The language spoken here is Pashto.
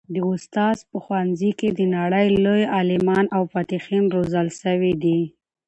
د استاد په ښوونځي کي د نړۍ لوی عالمان او فاتحین روزل سوي دي.